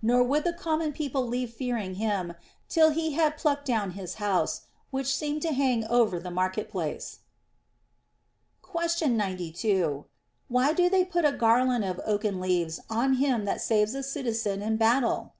nor would the common people leave fearing him till he had plucked down his house, which seemed to hang over the market place. Question 92. Why do they put on a garland of oaken leaves on him that saves a citizen in battle